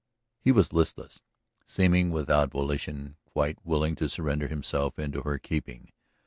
He was listless, seeming without volition, quite willing to surrender himself into her keeping.